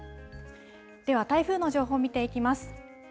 では、台風の情報見ていきます。